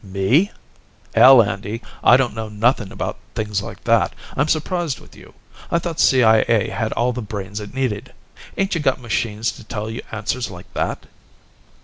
"Me? Hell, Andy, I don't know nothing about things like that. I'm surprised with you. I thought CIA had all the brains it needed ain't you got machines to tell you answers like that?"